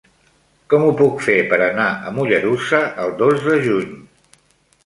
Com ho puc fer per anar a Mollerussa el dos de juny?